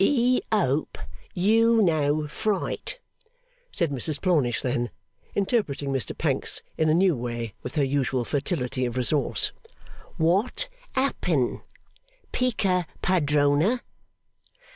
'E ope you no fright,' said Mrs Plornish then, interpreting Mr Pancks in a new way with her usual fertility of resource. 'What appen? Peaka Padrona!